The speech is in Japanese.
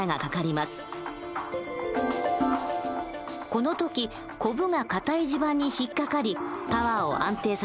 この時こぶが固い地盤に引っかかりタワーを安定させます。